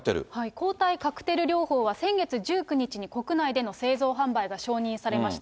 抗体カクテル療法は、先月１９日に、国内での製造販売が承認されました。